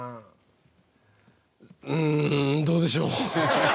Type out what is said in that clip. うんどうでしょう。